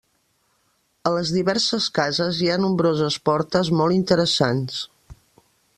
A les diverses cases hi ha nombroses portes molt interessants.